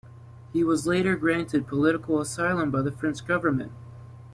He was later granted political asylum by the French government.